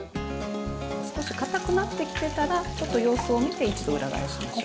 少しかたくなってきてたらちょっと様子を見て一度裏返しましょう。